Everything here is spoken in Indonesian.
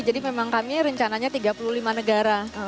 jadi memang kami rencananya tiga puluh lima negara